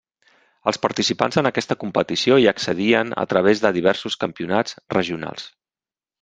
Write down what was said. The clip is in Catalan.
Els participants en aquesta competició hi accedien a través de diversos campionats regionals.